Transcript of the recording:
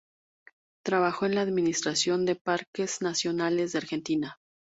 Trabajó en la Administración de Parques Nacionales, de Argentina.